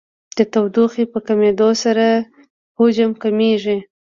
د تودوخې په کمېدو سره حجم کمیږي.